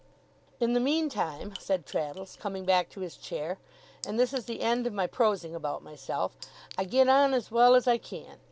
'In the meantime,' said Traddles, coming back to his chair; 'and this is the end of my prosing about myself, I get on as well as I can.